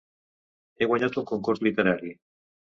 He guanyat un concurs literari.